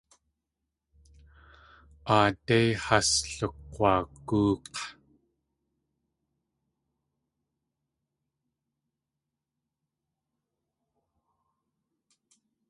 Aadé has lukg̲wagóok̲.